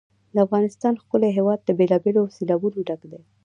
د افغانستان ښکلی هېواد له بېلابېلو سیلابونو ډک دی.